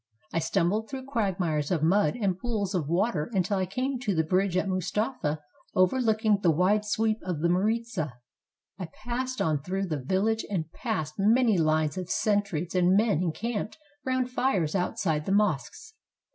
I stumbled through quagmires of mud and pools of water until I came to the bridge of Mustafa overlooking the wide sweep of the Maritza. I passed on through the village, and past many lines of sentries and men encamped round fires outside the mosques.